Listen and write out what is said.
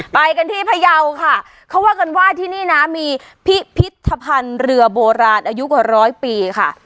ไปกันที่พยาวค่ะเขาว่ากันว่าที่นี่นะมีพิพิธภัณฑ์เรือโบราณอายุกว่าร้อยปีค่ะ